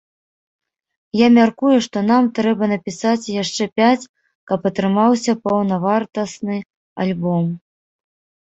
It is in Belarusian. Я мяркую, што нам трэба напісаць яшчэ пяць, каб атрымаўся паўнавартасны альбом.